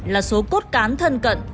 là số cốt cán thân cận